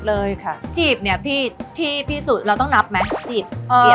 เลยค่ะจีบเนี่ยพี่พี่สุดเราต้องนับไหมจีบ